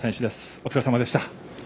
お疲れさまでした。